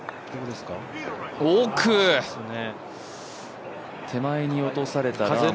奥手前に落とされたラームを見て。